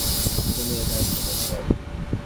তুমি ওখানেই থাকো কেউ আসবে।